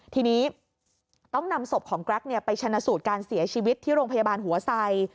ทีนี้ต้องนำศพของแกรกไปชนะสูตรการเสียชีวิตที่โรงพยาบาลหัวไส